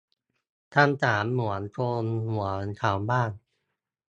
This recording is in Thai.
คำถามเหมือนโครงเหมือนเสาบ้าน